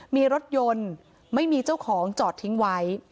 มีรถยนต์ไม่มีเจ้าของจอดทิ้งไว้